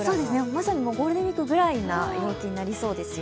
まさにゴールデンウイークぐらいな陽気になりそうですよ。